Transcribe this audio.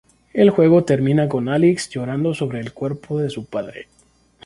El juego termina con Alyx llorando sobre el cuerpo de su padre.